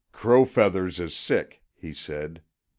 "Crow Feathers is sick," he said.